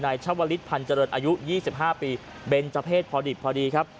นายชาวลิศพันธ์เจริญอายุยี่สิบห้าปีเบนเจ้าเพศพอดิบพอดีครับ